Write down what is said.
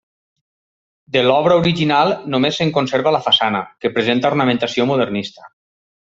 De l'obra original només se'n conserva la façana, que presenta ornamentació modernista.